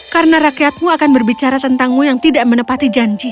karena rakyatmu akan berbicara tentangmu yang tidak menepati janji